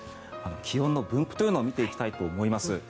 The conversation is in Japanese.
気温の分布というのを見ていきたいと思います。